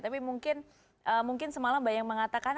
tapi mungkin semalam banyak yang mengatakan